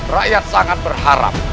rakyat sangat berharap